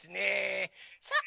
さあ